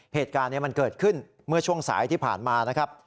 เหตุการณ์มันเกิดขึ้นเมื่อช่วงสายที่ผ่านมา